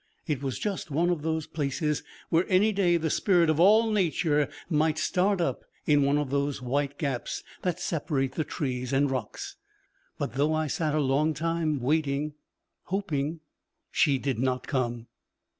It was just one of those places where any day the Spirit of all Nature might start up in one of those white gaps that separate the trees and rocks. But though I sat a long time waiting hoping She did not come.